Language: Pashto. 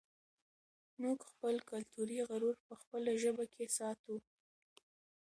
موږ خپل کلتوري غرور په خپله ژبه کې ساتو.